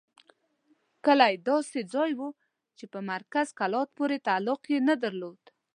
کلی داسې ځای وو چې په مرکز کلات پورې تعلق یې نه درلود.